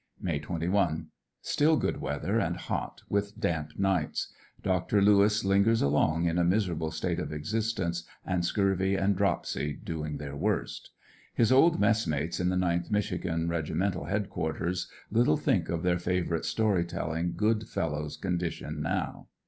May 21. — Still good weather and hot, with damp nights . Dr. Lewis lingers along in a miserable state of existence, and scurv}' and dropsy doing their worst. His old messmates at the 9th Mich igan regimental head quarters little think of their favorite, story telling, good fellows' condition now.